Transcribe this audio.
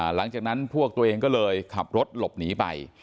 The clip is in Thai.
หลังจากนั้นพวกตัวเองก็เลยขับรถหลบหนีไป